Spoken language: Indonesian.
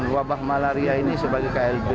wabah malaria ini sebagai klb